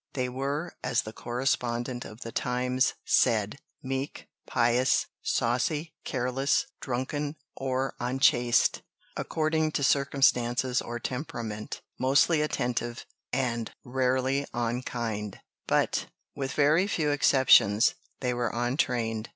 They were, as the correspondent of the Times said, "meek, pious, saucy, careless, drunken, or unchaste, according to circumstances or temperament, mostly attentive, and rarely unkind"; but, with very few exceptions, they were untrained.